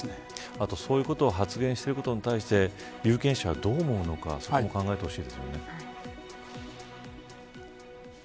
あと、そういうことを発言していることに対して有権者はどう思うのかそこも考えてほしいですよね。